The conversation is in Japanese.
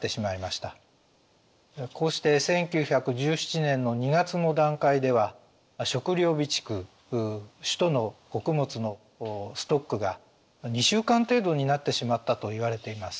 こうして１９１７年の２月の段階では食糧備蓄首都の穀物のストックが２週間程度になってしまったといわれています。